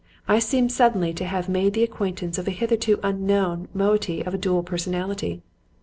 I seemed suddenly to have made the acquaintance of a hitherto unknown moiety of a dual personality.